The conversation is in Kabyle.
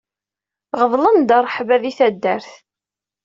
Ɣeḍlen-d rrehba di taddart.